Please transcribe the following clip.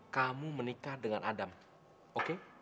kamu menikah dengan adam oke